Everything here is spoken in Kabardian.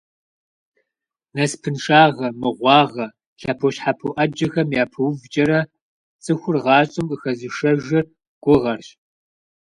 Насыпыншагъэ, мыгъуагъэ, лъэпощхьэпо Ӏэджэхэм япэувкӀэрэ, цӀыхур гъащӀэм къыхэзышэжыр гугъэрщ.